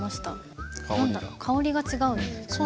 何だろ香りが違うんですかね？